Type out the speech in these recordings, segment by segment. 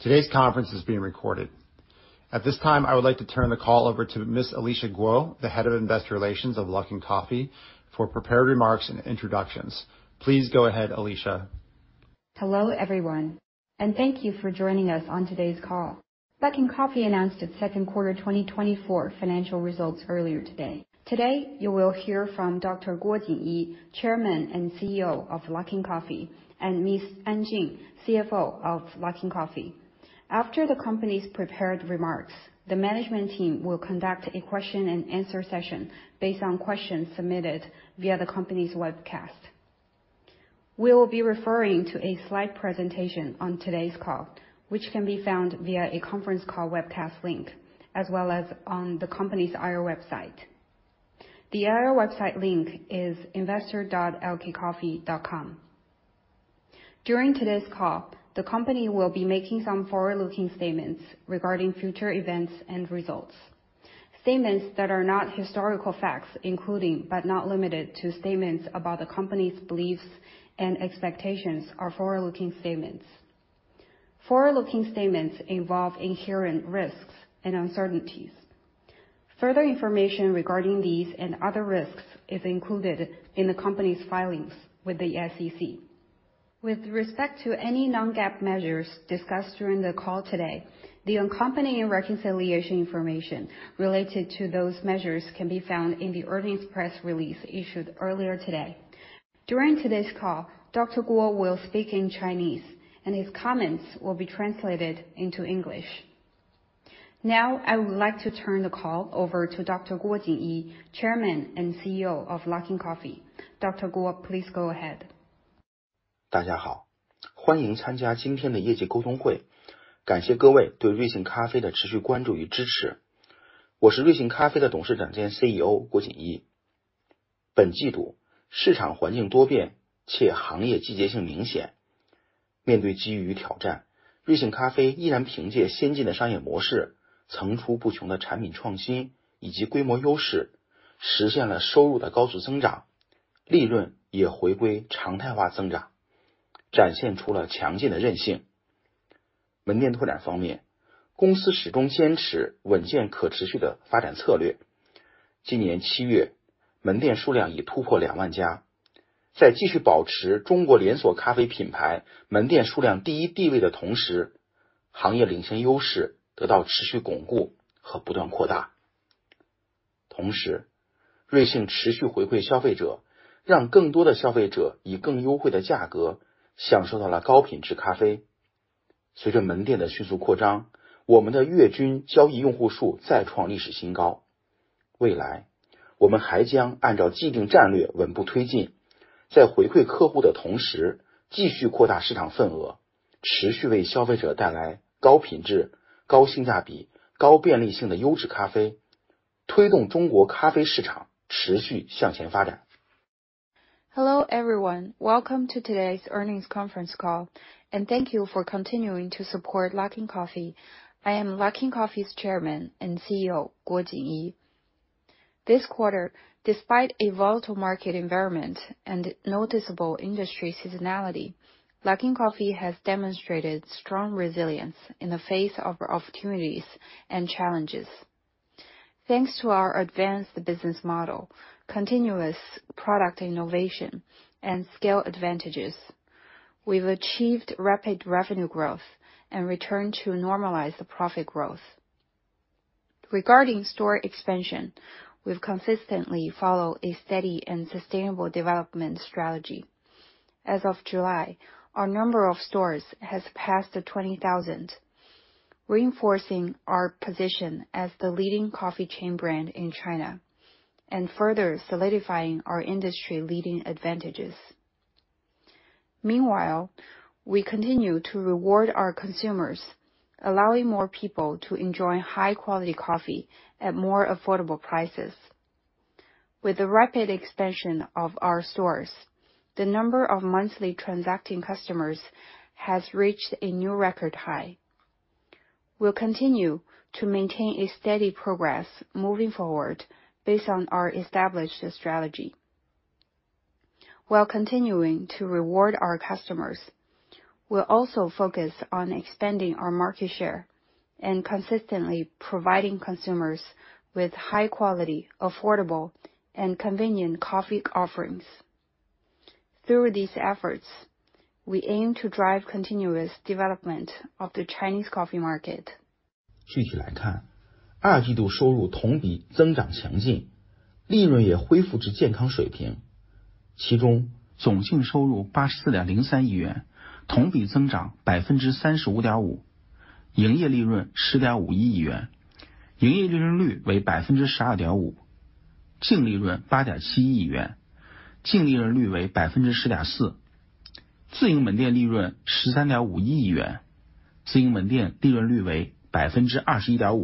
Today's conference is being recorded. At this time, I would like to turn the call over to Ms. Alicia Guo, the Head of Investor Relations of Luckin Coffee, for prepared remarks and introductions. Please go ahead, Alicia. Hello, everyone, and thank you for joining us on today's call. Luckin Coffee announced its second quarter 2024 financial results earlier today. Today, you will hear from Dr. Guo Jinyi, Chairman and CEO of Luckin Coffee, and Ms. An Jing, CFO of Luckin Coffee. After the company's prepared remarks, the management team will conduct a question-and-answer session based on questions submitted via the company's webcast. We will be referring to a slide presentation on today's call, which can be found via a conference call webcast link, as well as on the company's IR website. The IR website link is investor.lkcoffee.com. During today's call, the company will be making some forward-looking statements regarding future events and results. Statements that are not historical facts, including, but not limited to, statements about the company's beliefs and expectations, are forward-looking statements. Forward-looking statements involve inherent risks and uncertainties. Further information regarding these and other risks is included in the company's filings with the SEC. With respect to any Non-GAAP measures discussed during the call today, the accompanying reconciliation information related to those measures can be found in the earnings press release issued earlier today. During today's call, Dr. Guo will speak in Chinese, and his comments will be translated into English. Now, I would like to turn the call over to Dr. Guo Jinyi, Chairman and CEO of Luckin Coffee. Dr. Guo, please go ahead. Hello everyone, welcome to today's earnings conference call, and thank you for continuing to support Luckin Coffee. I am Luckin Coffee's Chairman and CEO, Guo Jingyi. This quarter, despite a volatile market environment and noticeable industry seasonality, Luckin Coffee has demonstrated strong resilience in the face of opportunities and challenges. Thanks to our advanced business model, continuous product innovation, and scale advantages, we've achieved rapid revenue growth and returned to normalized profit growth. Regarding store expansion, we've consistently followed a steady and sustainable development strategy. As of July, our number of stores has passed 20,000, reinforcing our position as the leading coffee chain brand in China and further solidifying our industry-leading advantages. Meanwhile, we continue to reward our consumers, allowing more people to enjoy high-quality coffee at more affordable prices. With the rapid expansion of our stores, the number of monthly transacting customers has reached a new record high. We'll continue to maintain steady progress moving forward based on our established strategy. While continuing to reward our customers, we'll also focus on expanding our market share and consistently providing consumers with high-quality, affordable, and convenient coffee offerings. Through these efforts, we aim to drive continuous development of the Chinese coffee market. 具体来看，二季度收入同比增长强劲，利润也恢复至健康水平。其中，总净收入84.03亿元，同比增长35.5%；营业利润10.51亿元，营业利润率为12.5%；净利润8.71亿元，净利润率为10.4%；自营门店利润13.51亿元，自营门店利润率为21.5%。一季度总净增门店数为1,371家，月均交易用户数6,969万。更详细的财务数据，稍后我们的CFO安静会和大家进行分享。Looking further into our numbers, during the second quarter, our revenue saw strong year-over-year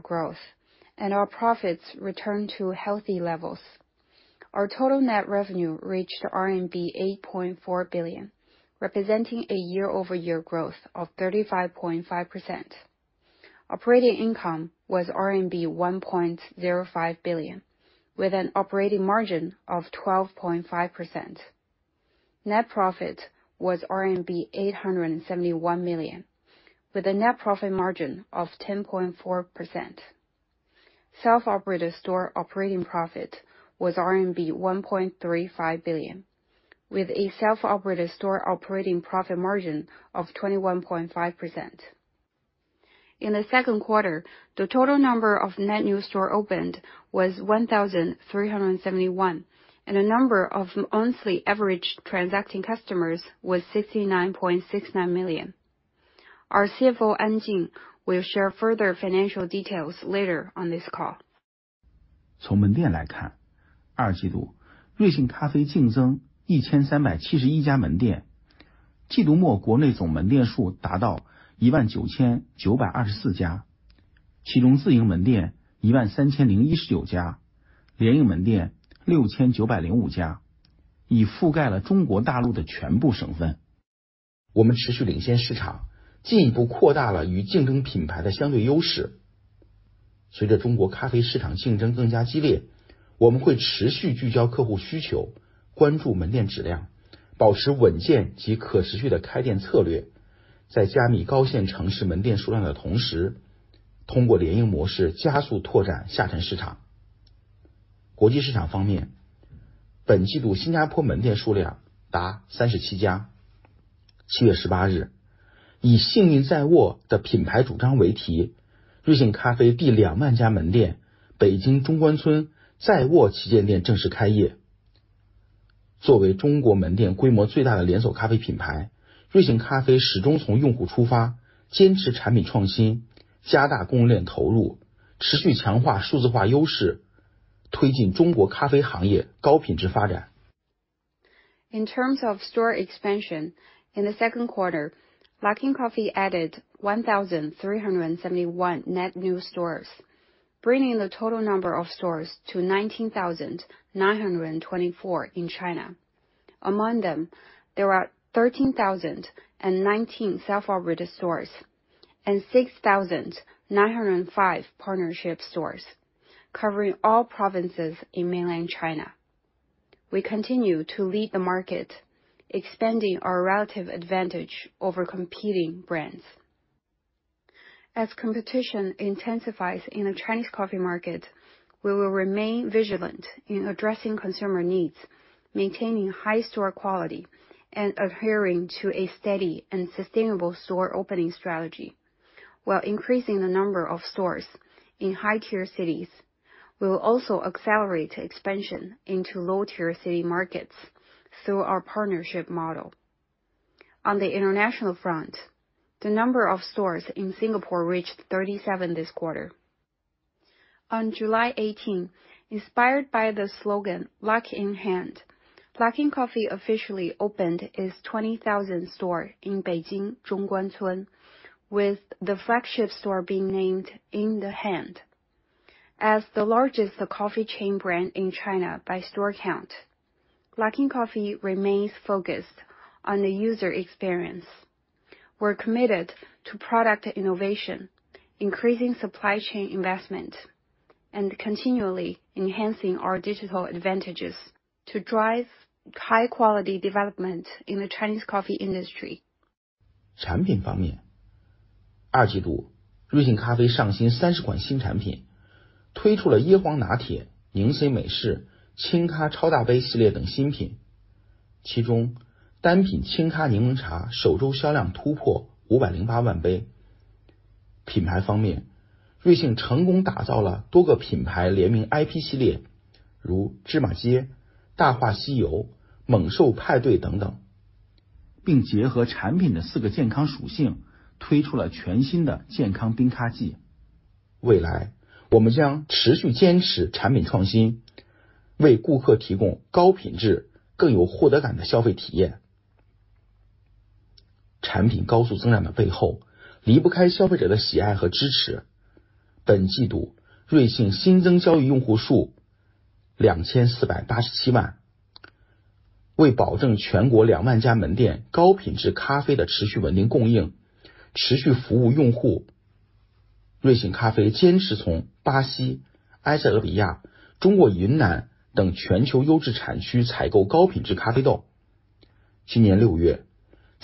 growth, and our profits returned to healthy levels. Our total net revenue reached RMB 8.4 billion, representing a year-over-year growth of 35.5%. Operating income was RMB 1.05 billion, with an operating margin of 12.5%. Net profit was 871 million, with a net profit margin of 10.4%. Self-operated store operating profit was RMB 1.35 billion, with a self-operated store operating profit margin of 21.5%. In the second quarter, the total number of net new stores opened was 1,371, and the number of monthly average transacting customers was 69.69 million. Our CFO An Jing will share further financial details later on this call. In terms of store expansion, in the second quarter, Luckin Coffee added 1,371 net new stores, bringing the total number of stores to 19,924 in China. Among them, there are 13,019 self-operated stores and 6,905 partnership stores, covering all provinces in mainland China. We continue to lead the market, expanding our relative advantage over competing brands. As competition intensifies in the Chinese coffee market, we will remain vigilant in addressing consumer needs, maintaining high store quality, and adhering to a steady and sustainable store opening strategy. While increasing the number of stores in high-tier cities, we will also accelerate expansion into low-tier city markets through our partnership model. On the international front, the number of stores in Singapore reached 37 this quarter. On July 18, inspired by the slogan "Luck in Hand," Luckin Coffee officially opened its 20,000th store in Beijing Zhongguancun, with the flagship store being named "In the Hand." As the largest coffee chain brand in China by store count, Luckin Coffee remains focused on the user experience. We're committed to product innovation, increasing supply chain investment, and continually enhancing our digital advantages to drive high-quality development in the Chinese coffee industry.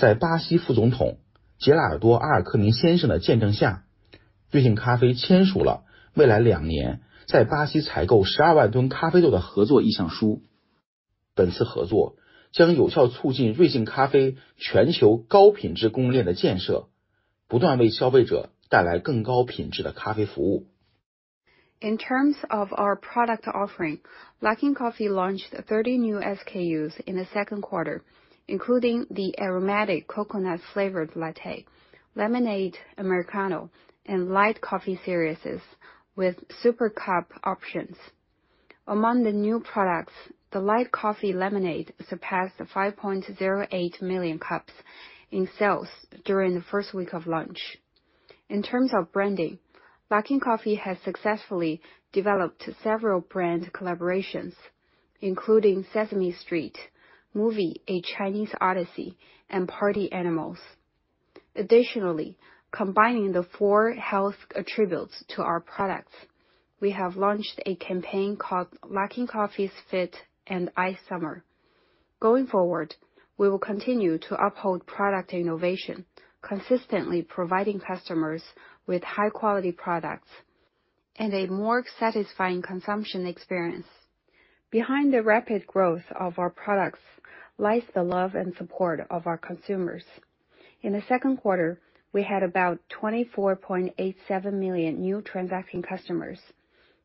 In terms of our product offering, Luckin Coffee launched 30 new SKUs in the second quarter, including the aromatic coconut-flavored latte, lemonade Americano, and light coffee series with super cup options. Among the new products, the light coffee lemonade surpassed 5.08 million cups in sales during the first week of launch. In terms of branding, Luckin Coffee has successfully developed several brand collaborations, including Sesame Street, Movie: A Chinese Odyssey, and Party Animals. Additionally, combining the four health attributes to our products, we have launched a campaign called Luckin Coffee's Fit and Ice Summer. Going forward, we will continue to uphold product innovation, consistently providing customers with high-quality products and a more satisfying consumption experience. Behind the rapid growth of our products lies the love and support of our consumers. In the second quarter, we had about 24.87 million new transacting customers.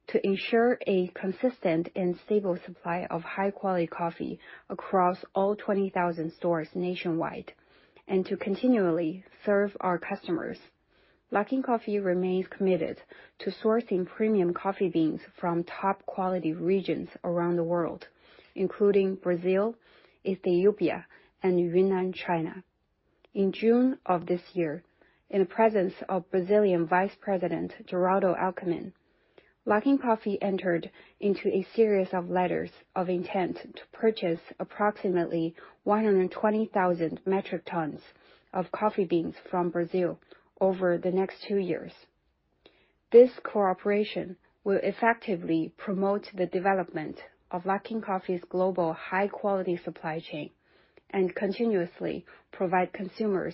To ensure a consistent and stable supply of high-quality coffee across all 20,000 stores nationwide and to continually serve our customers, Luckin Coffee remains committed to sourcing premium coffee beans from top-quality regions around the world, including Brazil, Ethiopia, and Yunnan, China. In June of this year, in the presence of Brazilian Vice President Geraldo Alckmin, Luckin Coffee entered into a series of letters of intent to purchase approximately 120,000 metric tons of coffee beans from Brazil over the next two years. This cooperation will effectively promote the development of Luckin Coffee's global high-quality supply chain and continuously provide consumers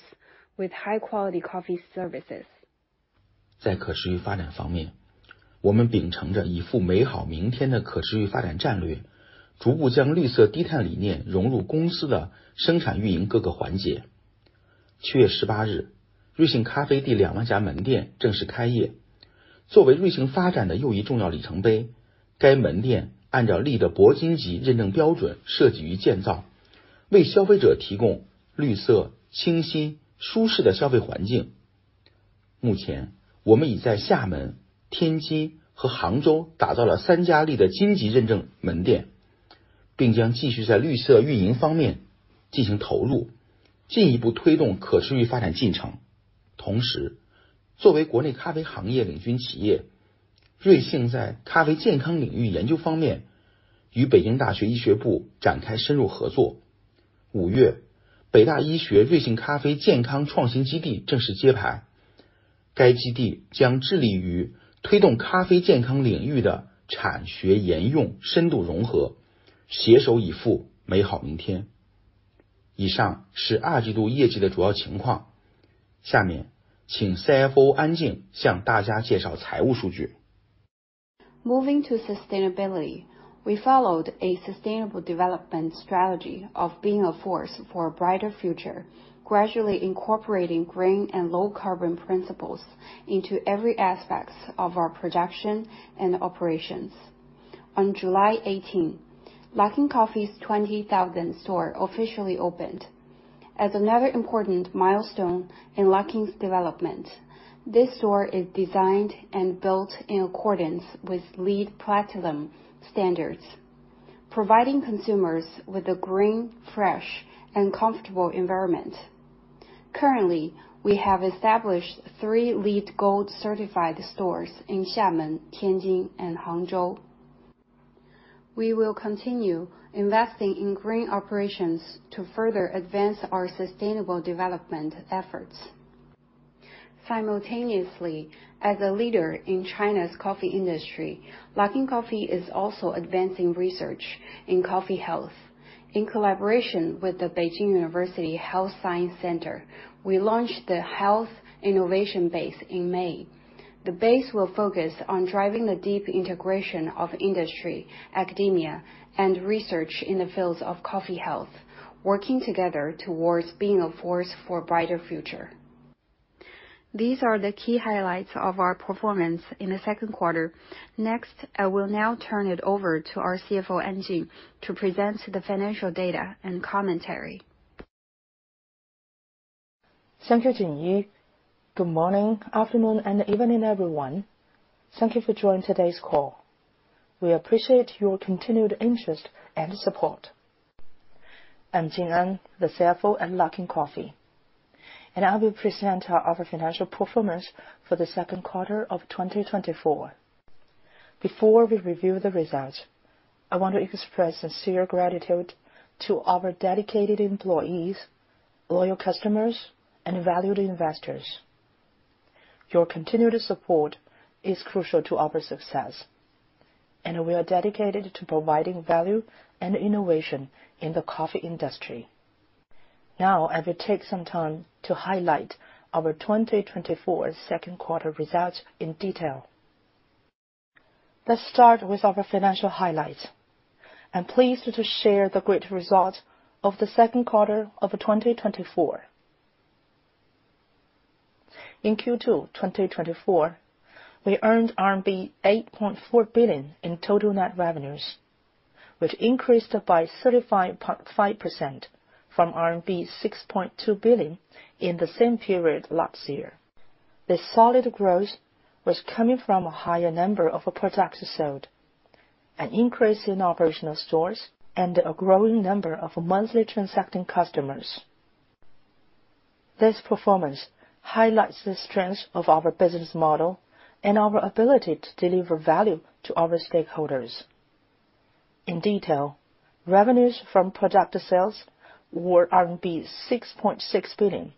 with high-quality coffee services. Moving to sustainability, we followed a sustainable development strategy of being a force for a brighter future, gradually incorporating green and low-carbon principles into every aspect of our production and operations. On July 18, Luckin Coffee's 20,000th store officially opened. As another important milestone in Luckin's development, this store is designed and built in accordance with LEED Platinum standards, providing consumers with a green, fresh, and comfortable environment. Currently, we have established three LEED Gold-certified stores in Xiamen, Tianjin and Hangzhou. We will continue investing in green operations to further advance our sustainable development efforts. Simultaneously, as a leader in China's coffee industry, Luckin Coffee is also advancing research in coffee health. In collaboration with the Peking University Health Science Center, we launched the Health Innovation Base in May. The base will focus on driving the deep integration of industry, academia, and research in the fields of coffee health, working together towards being a force for a brighter future. These are the key highlights of our performance in the second quarter. Next, I will now turn it over to our CFO An Jing to present the financial data and commentary. Thank you, Jinyi. Good morning, afternoon, and evening, everyone. Thank you for joining today's call. We appreciate your continued interest and support. I'm Jing An, the CFO at Luckin Coffee, and I will present our financial performance for the second quarter of 2024. Before we review the results, I want to express sincere gratitude to our dedicated employees, loyal customers, and valued investors. Your continued support is crucial to our success, and we are dedicated to providing value and innovation in the coffee industry. Now, I will take some time to highlight our 2024 second quarter results in detail. Let's start with our financial highlights. I'm pleased to share the great results of the second quarter of 2024. In Q2 2024, we earned RMB 8.4 billion in total net revenues, which increased by 35.5% from RMB 6.2 billion in the same period last year. This solid growth was coming from a higher number of products sold, an increase in operational stores, and a growing number of monthly transacting customers. This performance highlights the strength of our business model and our ability to deliver value to our stakeholders. In detail, revenues from product sales were RMB 6.6 billion,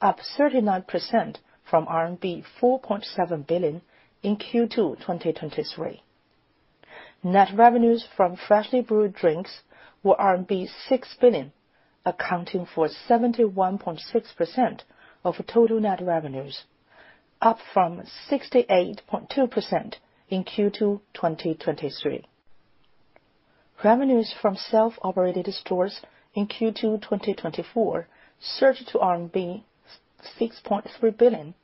up 39% from RMB 4.7 billion in Q2 2023. Net revenues from freshly brewed drinks were RMB 6 billion, accounting for 71.6% of total net revenues, up from 68.2% in Q2 2023. Revenues from self-operated stores in Q2 2024 surged to RMB 6.3 billion,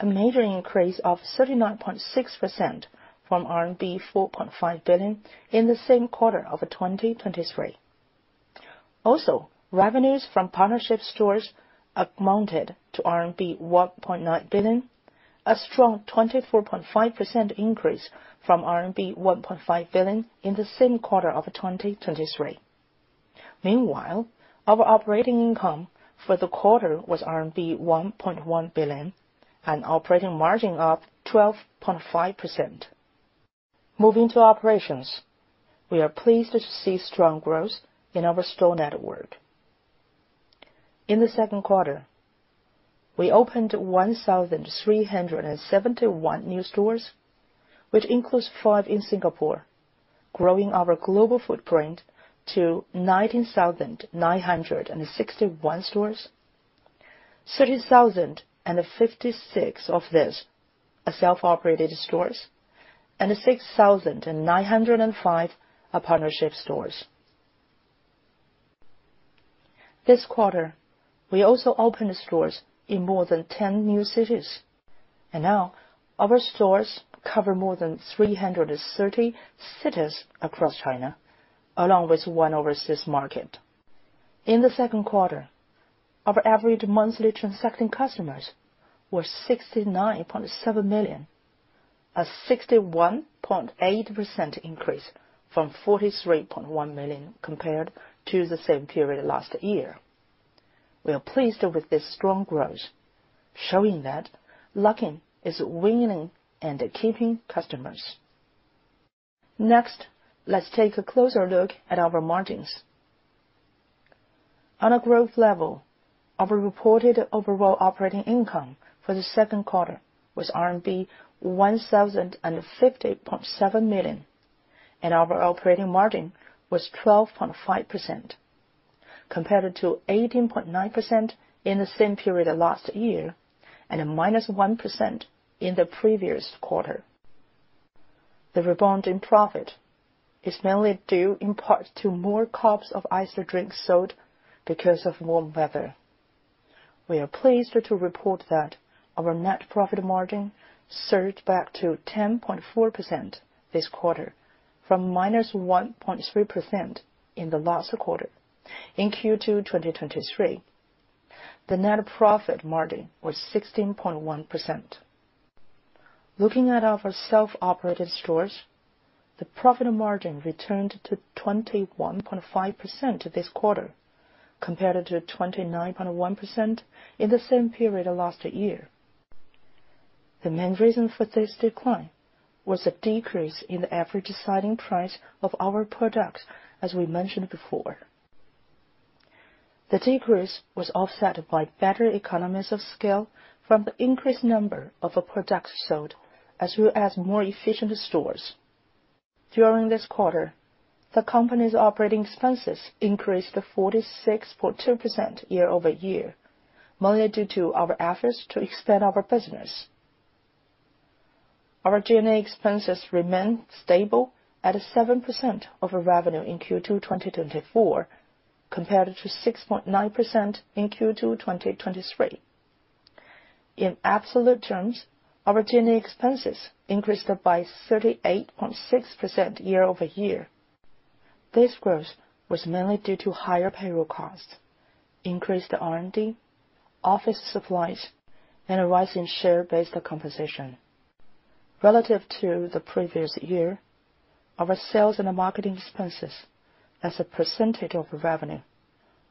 a major increase of 39.6% from RMB 4.5 billion in the same quarter of 2023. Also, revenues from partnership stores amounted to RMB 1.9 billion, a strong 24.5% increase from RMB 1.5 billion in the same quarter of 2023. Meanwhile, our operating income for the quarter was RMB 1.1 billion, an operating margin of 12.5%. Moving to operations, we are pleased to see strong growth in our store network. In the second quarter, we opened 1,371 new stores, which includes five in Singapore, growing our global footprint to 19,961 stores. 13,056 of these are self-operated stores, and 6,905 are partnership stores. This quarter, we also opened stores in more than 10 new cities, and now our stores cover more than 330 cities across China, along with one overseas market. In the second quarter, our average monthly transacting customers were 69.7 million, a 61.8% increase from 43.1 million compared to the same period last year. We are pleased with this strong growth, showing that Luckin is winning and keeping customers. Next, let's take a closer look at our margins. On a gross level, our reported overall operating income for the second quarter was RMB 1,050.7 million, and our operating margin was 12.5%, compared to 18.9% in the same period last year and -1% in the previous quarter. The rebound in profit is mainly due in part to more cups of iced drinks sold because of warm weather. We are pleased to report that our net profit margin surged back to 10.4% this quarter from -1.3% in the last quarter. In Q2 2023, the net profit margin was 16.1%. Looking at our self-operated stores, the profit margin returned to 21.5% this quarter, compared to 29.1% in the same period last year. The main reason for this decline was a decrease in the average selling price of our products, as we mentioned before. The decrease was offset by better economies of scale from the increased number of products sold, as well as more efficient stores. During this quarter, the company's operating expenses increased 46.2% year-over-year, mainly due to our efforts to expand our business. Our G&A expenses remained stable at 7% of revenue in Q2 2024, compared to 6.9% in Q2 2023. In absolute terms, our G&A expenses increased by 38.6% year-over-year. This growth was mainly due to higher payroll costs, increased R&D, office supplies, and a rise in share-based compensation. Relative to the previous year, our sales and marketing expenses, as a percentage of revenue,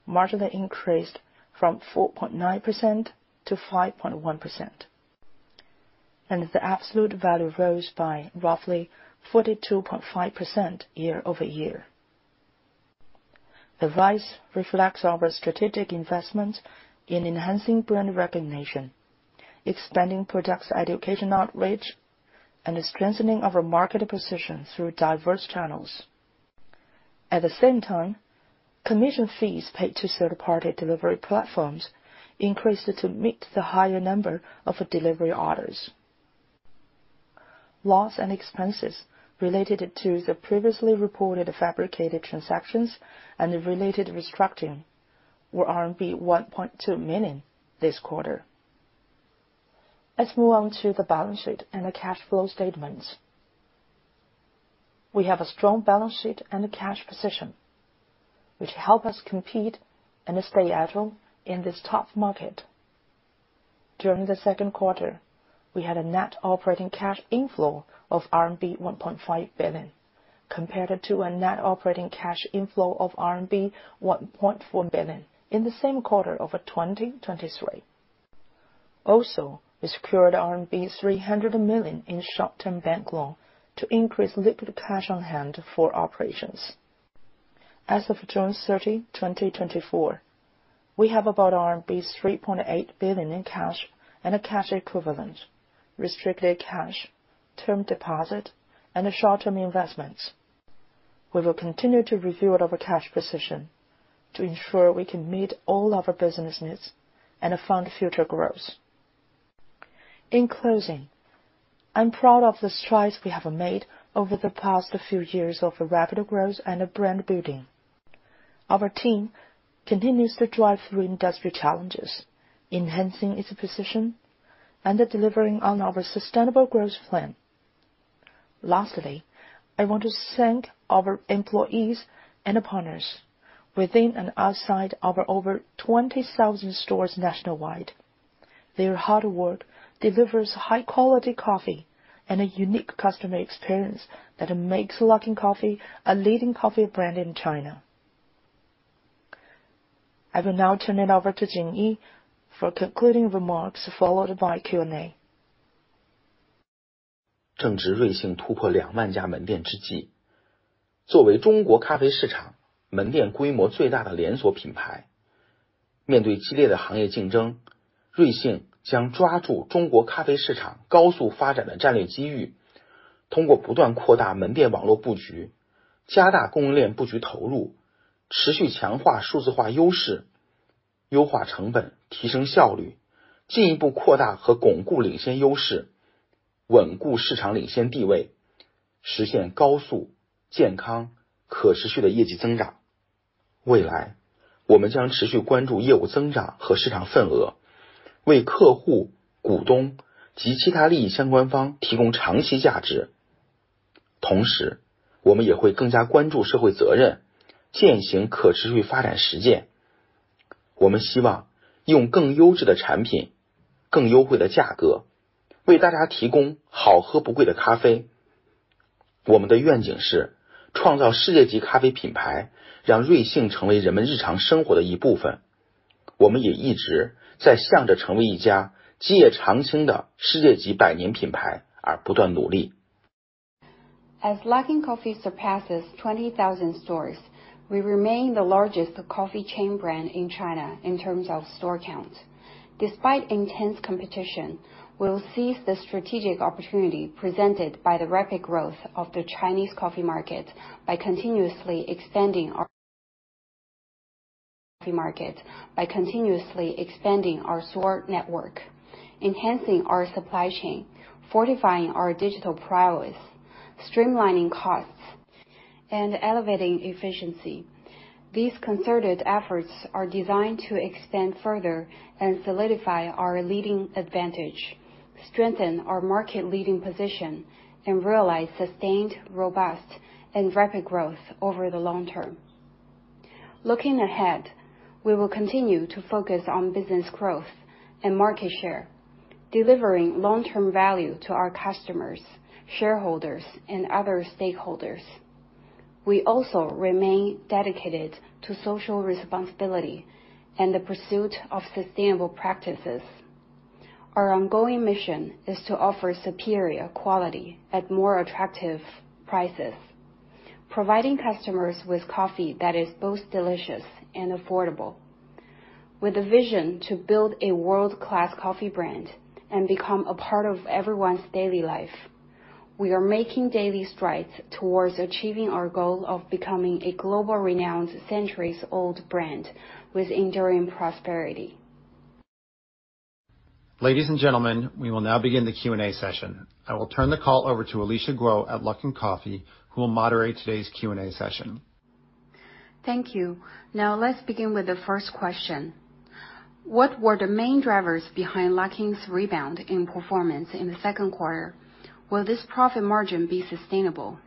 marginally increased from 4.9%-5.1%, and the absolute value rose by roughly 42.5% year-over-year. The rise reflects our strategic investments in enhancing brand recognition, expanding products' educational outreach, and strengthening our market position through diverse channels. At the same time, commission fees paid to third-party delivery platforms increased to meet the higher number of delivery orders. Loss and expenses related to the previously reported fabricated transactions and related restructuring were 1.2 million this quarter. Let's move on to the balance sheet and the cash flow statements. We have a strong balance sheet and cash position, which help us compete and stay ahead in this tough market. During the second quarter, we had a net operating cash inflow of RMB 1.5 billion, compared to a net operating cash inflow of RMB 1.4 billion in the same quarter of 2023. Also, we secured RMB 300 million in short-term bank loan to increase liquid cash on hand for operations. As of June 30, 2024, we have about RMB 3.8 billion in cash and cash equivalent, restricted cash, term deposit, and short-term investments. We will continue to review our cash position to ensure we can meet all our business needs and fund future growth. In closing, I'm proud of the strides we have made over the past few years of rapid growth and brand building. Our team continues to drive through industry challenges, enhancing its position and delivering on our sustainable growth plan. Lastly, I want to thank our employees and partners within and outside our over 20,000 stores nationwide. Their hard work delivers high-quality coffee and a unique customer experience that makes Luckin Coffee a leading coffee brand in China. I will now turn it over to Jinyi for concluding remarks followed by Q&A. 正值瑞幸突破2万家门店之际，作为中国咖啡市场门店规模最大的连锁品牌，面对激烈的行业竞争，瑞幸将抓住中国咖啡市场高速发展的战略机遇，通过不断扩大门店网络布局，加大供应链布局投入，持续强化数字化优势，优化成本，提升效率，进一步扩大和巩固领先优势，稳固市场领先地位，实现高速、健康、可持续的业绩增长。未来，我们将持续关注业务增长和市场份额，为客户、股东及其他利益相关方提供长期价值。同时，我们也会更加关注社会责任，践行可持续发展实践。我们希望用更优质的产品、更优惠的价格，为大家提供好喝不贵的咖啡。我们的愿景是创造世界级咖啡品牌，让瑞幸成为人们日常生活的一部分。我们也一直在向着成为一家基业长青的世界级百年品牌而不断努力。As Luckin Coffee surpasses 20,000 stores, we remain the largest coffee chain brand in China in terms of store count. Despite intense competition, we'll seize the strategic opportunity presented by the rapid growth of the Chinese coffee market by continuously expanding our store network, enhancing our supply chain, fortifying our digital prowess, streamlining costs, and elevating efficiency. These concerted efforts are designed to expand further and solidify our leading advantage, strengthen our market-leading position, and realize sustained, robust, and rapid growth over the long term. Looking ahead, we will continue to focus on business growth and market share, delivering long-term value to our customers, shareholders, and other stakeholders. We also remain dedicated to social responsibility and the pursuit of sustainable practices. Our ongoing mission is to offer superior quality at more attractive prices, providing customers with coffee that is both delicious and affordable. With a vision to build a world-class coffee brand and become a part of everyone's daily life, we are making daily strides towards achieving our goal of becoming a globally renowned centuries-old brand with enduring prosperity. Ladies and gentlemen, we will now begin the Q&A session. I will turn the call over to Alicia Guo at Luckin Coffee, who will moderate today's Q&A session. Thank you. Now, let's begin with the first question. What were the main drivers behind Luckin's rebound in performance in the second quarter? Will this profit margin be sustainable?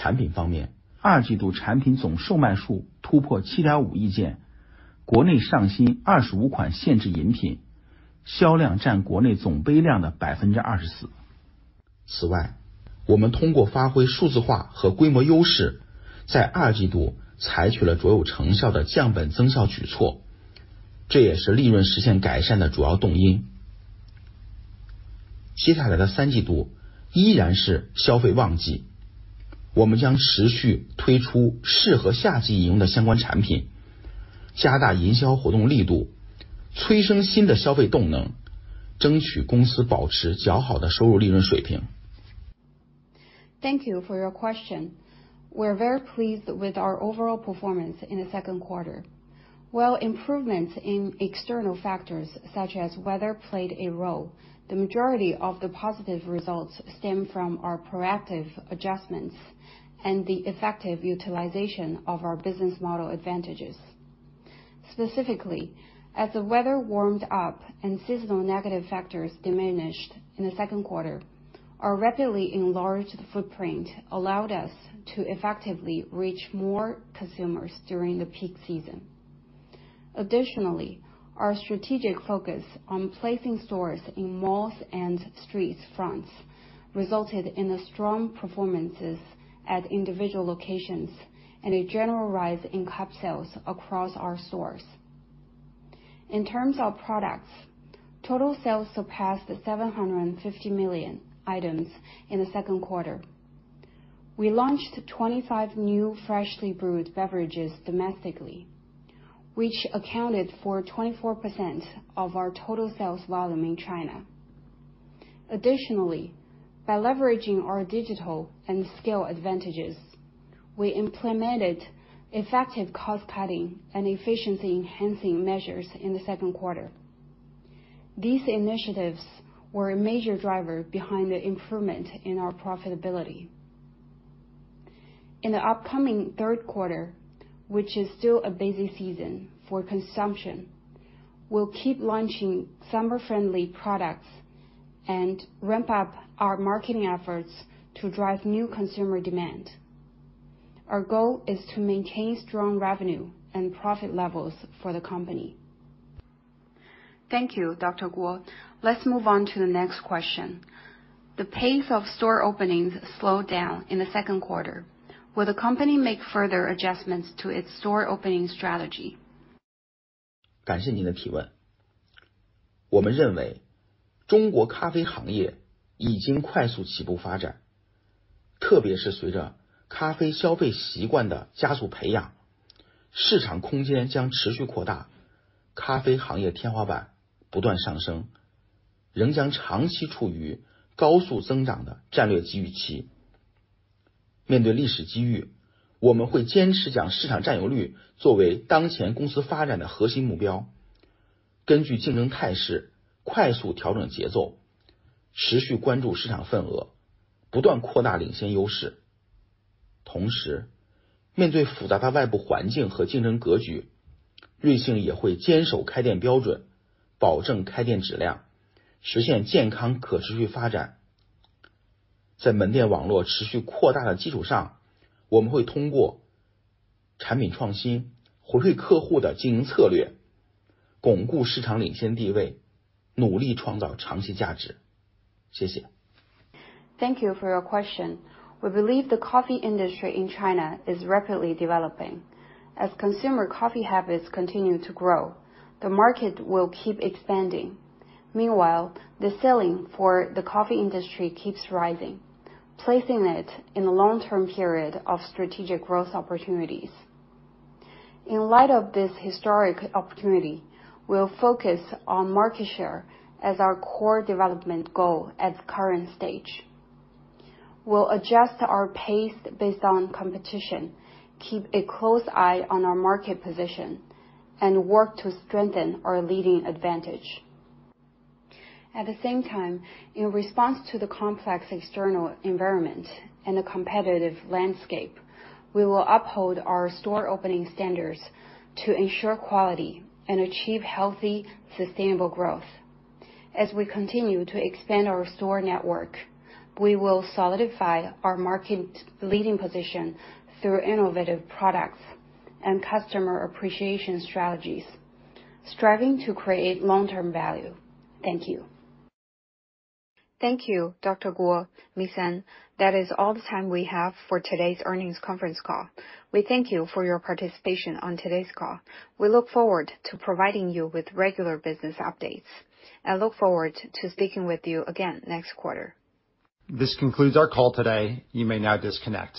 Thank you for your question. We're very pleased with our overall performance in the second quarter. While improvements in external factors such as weather played a role, the majority of the positive results stem from our proactive adjustments and the effective utilization of our business model advantages. Specifically, as the weather warmed up and seasonal negative factors diminished in the second quarter, our rapidly enlarged footprint allowed us to effectively reach more consumers during the peak season. Additionally, our strategic focus on placing stores in malls and street fronts resulted in strong performances at individual locations and a general rise in cup sales across our stores. In terms of products, total sales surpassed 750 million items in the second quarter. We launched 25 new freshly brewed beverages domestically, which accounted for 24% of our total sales volume in China. Additionally, by leveraging our digital and scale advantages, we implemented effective cost-cutting and efficiency-enhancing measures in the second quarter. These initiatives were a major driver behind the improvement in our profitability. In the upcoming third quarter, which is still a busy season for consumption, we'll keep launching summer-friendly products and ramp up our marketing efforts to drive new consumer demand. Our goal is to maintain strong revenue and profit levels for the company. Thank you, Dr. Guo. Let's move on to the next question. The pace of store openings slowed down in the second quarter. Will the company make further adjustments to its store opening strategy? Thank you for your question. We believe the coffee industry in China is rapidly developing. As consumer coffee habits continue to grow, the market will keep expanding. Meanwhile, the selling for the coffee industry keeps rising, placing it in a long-term period of strategic growth opportunities. In light of this historic opportunity, we'll focus on market share as our core development goal at the current stage. We'll adjust our pace based on competition, keep a close eye on our market position, and work to strengthen our leading advantage. At the same time, in response to the complex external environment and the competitive landscape, we will uphold our store opening standards to ensure quality and achieve healthy, sustainable growth. As we continue to expand our store network, we will solidify our market leading position through innovative products and customer appreciation strategies, striving to create long-term value. Thank you. Thank you, Dr. Guo, Ms. An. That is all the time we have for today's earnings conference call. We thank you for your participation on today's call. We look forward to providing you with regular business updates, and look forward to speaking with you again next quarter. This concludes our call today. You may now disconnect.